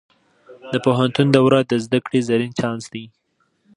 د پوهنتون دوره د زده کړې زرین چانس دی.